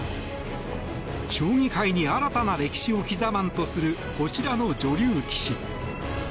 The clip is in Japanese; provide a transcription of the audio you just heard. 将棋界に新たな歴史を刻まんとするこちらの女流棋士。